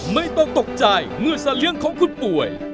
ไม่ต้องตกใจเมื่อสัตว์เลี้ยงของคุณป่วย